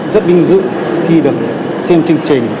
rất vinh dự khi được xem chương trình